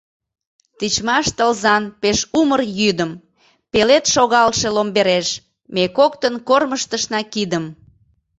Тичмаш тылзан пеш умыр йӱдым Пелед шогалше ломбереш Ме коктын кормыжтышна кидым.